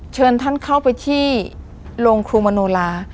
เชิญท่านเข้าไปที่โรงครูมโนลา